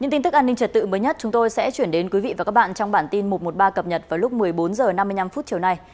những tin tức an ninh trật tự mới nhất chúng tôi sẽ chuyển đến quý vị và các bạn trong bản tin một trăm một mươi ba cập nhật vào lúc một mươi bốn h năm mươi năm chiều nay